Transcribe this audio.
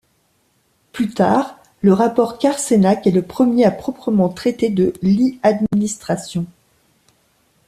Plus tard, le rapport Carcenac, est le premier à proprement traiter de l’e-administration.